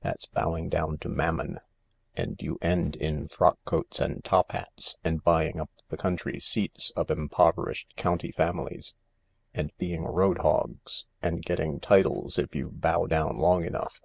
That's bowing down to Mammon, and you end in frock coats and top hats, and buying up the country seats of impoverished county families, and being road hogs, and getting titles if you bow down long enough.